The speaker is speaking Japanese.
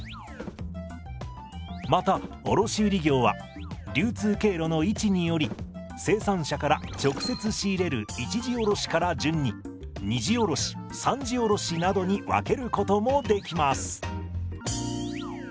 また卸売業は流通経路の位置により生産者から直接仕入れる一次卸から順に二次卸三次卸などに分けることもできます。